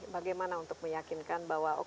bagaimana untuk meyakinkan bahwa